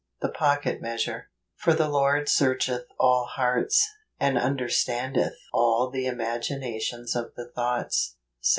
The Pocket Measure. " For the Lord searcheth all hearts , and under standeth all the imaginations of the thoughts '' 7.